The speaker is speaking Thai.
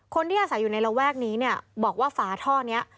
คนที่อาศัยอยู่ในระแวกนี้เนี่ยบอกว่าฝาท่อนี้